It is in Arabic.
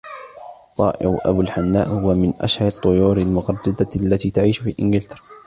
طائر ابو الحناء هو من اشهر الطيور المغردة التي تعيش في انكلترا.